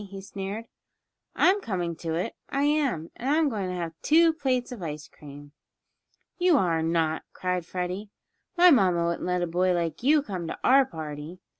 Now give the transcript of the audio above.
he sneered. "I'm coming to it, I am; and I'm going to have two plates of ice cream." "You are not!" cried Freddie. "My mamma wouldn't let a boy like you come to our party."